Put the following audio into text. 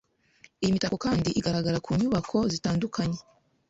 Iyi mitako kandi igaragara ku nyubako zitandukanye